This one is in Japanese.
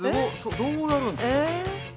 どうやるんですか？